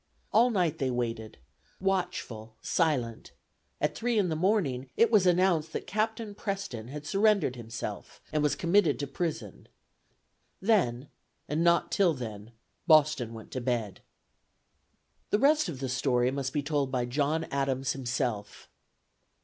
All night they waited, watchful, silent: at three in the morning, it was announced that Captain Preston had surrendered himself and was committed to prison; then, and not till then, Boston went to bed. The rest of the story must be told by John Adams himself.